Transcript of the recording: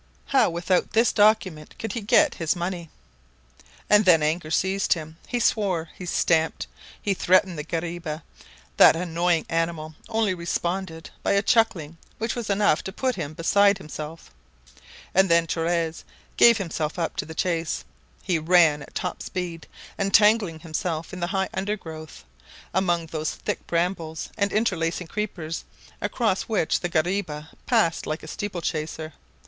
How without this document could he get his money? And then anger seized him. He swore, he stamped, he threatened the guariba. That annoying animal only responded by a chuckling which was enough to put him beside himself. And then Torres gave himself up to the chase. He ran at top speed, entangling himself in the high undergrowth, among those thick brambles and interlacing creepers, across which the guariba passed like a steeplechaser.